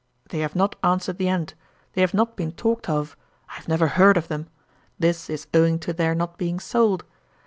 'They have not answered the end. They have not been talked of; I have never heard of them. This is owing to their not being sold.